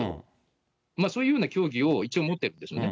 そういうような教義を一応持ってるんですよね。